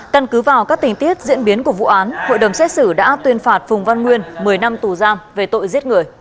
căn cứ vào các tình tiết diễn biến của vụ án hội đồng xét xử đã tuyên phạt phùng văn nguyên một mươi năm tù giam về tội giết người